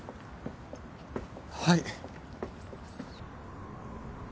はい。